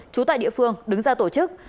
trú tại địa phương đứng ra tổ chức